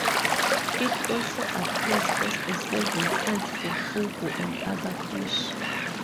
It also appears as a serving size for fugu and other fish.